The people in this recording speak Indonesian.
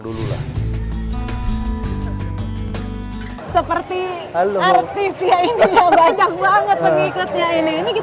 dulu seperti halus isi